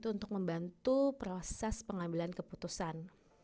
untuk membantu proses pengambilan keputusan